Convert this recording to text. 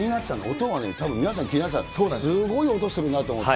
音がね、たぶん、皆さん気になってた、すごい音するなと思って。